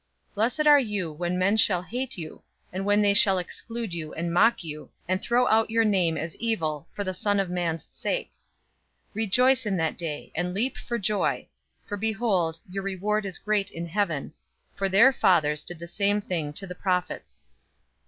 006:022 Blessed are you when men shall hate you, and when they shall exclude and mock you, and throw out your name as evil, for the Son of Man's sake. 006:023 Rejoice in that day, and leap for joy, for behold, your reward is great in heaven, for their fathers did the same thing to the prophets.